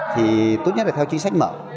thì tốt nhất là theo chính sách mở